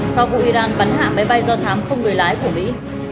sau vụ iran bắn hạ máy bay do thám không người lái của mỹ